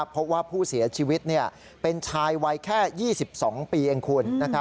พบว่าผู้เสียชีวิตเป็นชายวัยแค่๒๒ปีเองคุณ